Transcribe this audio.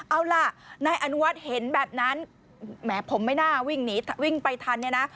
เอาล่ะนายอนุวัฒน์เห็นแบบนั้นแหมผมไม่น่าวิ่งหนีวิ่งไปทันเนี่ยนะ